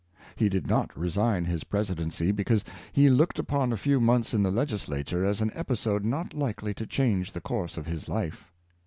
He did not resign his Presidency, because he looked upon a few rnonths in the Legislature as an episode not like ly to change the course of his life.